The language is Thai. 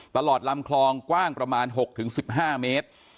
ตลอดลำคลองกว้างประมาณ๖๑๕เมตร